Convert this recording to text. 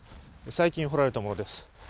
最近掘られたものです。